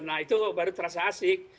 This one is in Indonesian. nah itu baru terasa asik